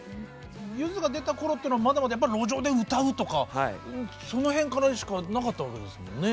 ゆずが出た頃っていうのはまだまだやっぱ路上で歌うとかその辺からしかなかったわけですもんね。